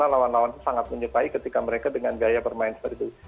karena lawan lawan itu sangat menyukai ketika mereka dengan gaya bermain seperti itu